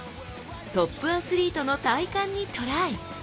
「トップアスリートの体幹」にトライ！